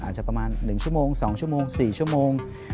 อาจจะประมาณ๑ชั่วโมง๒ชั่วโมง๔ชั่วโมง